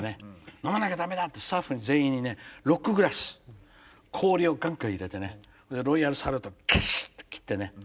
「飲まなきゃ駄目だ！」ってスタッフに全員にロックグラス氷をガンガン入れてねロイヤルサルートギシッと切ってね。